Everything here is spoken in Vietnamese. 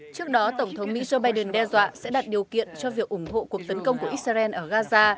trước đó tổng thống mỹ joe biden đe dọa sẽ đặt điều kiện cho việc ủng hộ cuộc tấn công của israel ở gaza